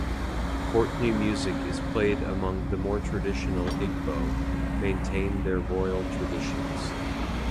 Courtly music is played among the more traditional Igbo, maintain their royal traditions.